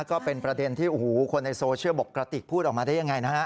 ก็เป็นประเด็นที่โอ้โหคนในโซเชียลบอกกระติกพูดออกมาได้ยังไงนะฮะ